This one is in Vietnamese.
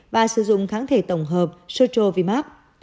và sử dụng kháng thể tổng hợp strovimab